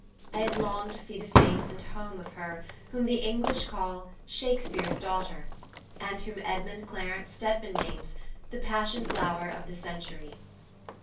I had longed to see the face and home of her whom the English call "Shakespeare's daughter," and whom Edmund Clarence Stedman names "the passion flower of the century."